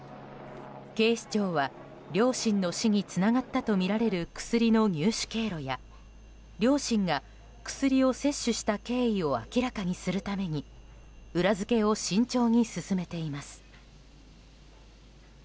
警視庁は両親の死につながったとみられる薬の入手経路や両親が薬を摂取した経緯を明らかにするために裏付けを慎重に進めています。